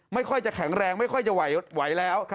ไม่ค่อยจะแข็งแรงไม่ค่อยจะไหวแล้ว